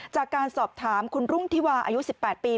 จากการสอบถามคุณรุ่งธิวาอายุ๑๘ปี